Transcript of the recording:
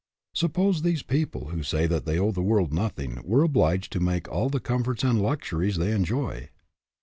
Suppose these people who say that they owe the world nothing were obliged to make all the comforts and luxuries they enjoy!